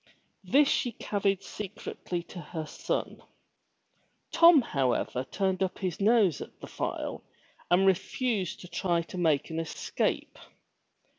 This she carried secretly to her son. Tom however turned up his nose at the file and refused to try to make an escape.